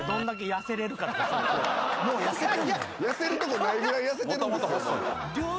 痩せるとこないぐらい痩せてる。